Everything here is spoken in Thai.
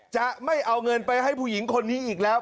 จะไม่เอาเงินไปให้ผู้หญิงคนนี้อีกแล้ว